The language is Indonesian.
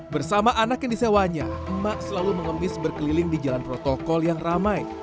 bersama anak yang disewanya emak selalu mengemis berkeliling di jalan protokol yang ramai